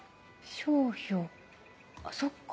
商標あっそっか。